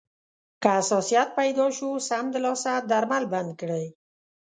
که حساسیت پیدا شو، سمدلاسه درمل بند کړئ.